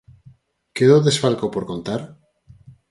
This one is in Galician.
Quedou desfalco por contar?